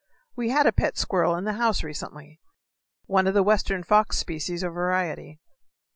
We had a pet squirrel in the house recently one of the western fox species or variety.